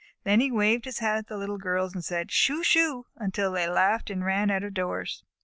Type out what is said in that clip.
Then he waved his hat at the Little Girls and said "Shoo! Shoo!" until they laughed and ran out of doors.